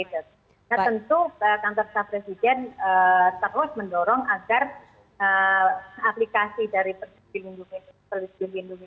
nah tentu kantor presiden terus mendorong agar aplikasi dari peduli lindungi tetap diperjaga